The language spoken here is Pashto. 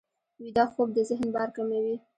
ویده خوب د ذهن بار کموي